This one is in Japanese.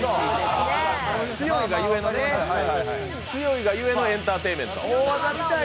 強いが故のエンターテインメント。